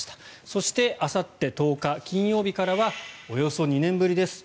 そしてあさって１０日、金曜日からはおよそ２年ぶりです。